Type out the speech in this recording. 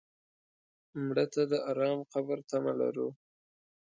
مړه ته د ارام قبر تمه لرو